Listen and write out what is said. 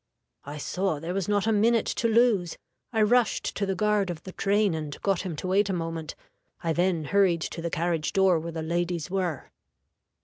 I saw there was not a minute to lose; I rushed to the guard of the train, and got him to wait a moment. I then hurried to the carriage door where the ladies were.